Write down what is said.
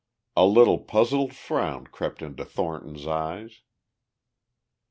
A little puzzled frown crept into Thornton's eyes.